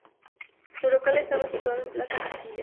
Su local estaba situado en Plaza Castilla.